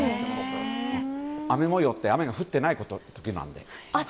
雨模様って、雨が降っていない時のことなので。